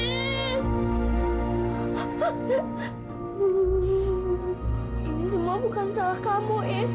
ini semua bukan salah kamu es